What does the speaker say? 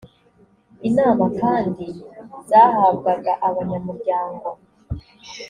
inama kandi zahabwaga abanyamuryango